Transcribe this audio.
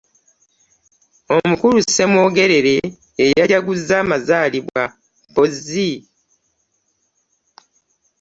Omukulu Ssemwogerere ye yajaguzza amazaalibwa mpozzi?